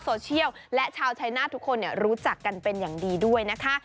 สโชเชียลและชาวใชนาททุกคนเนี่ยรู้จักกันเป็นดีด้วยนะคะ